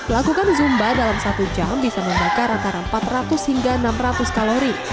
lakukan zumba dalam satu jam bisa membakar antara empat ratus hingga enam ratus kalori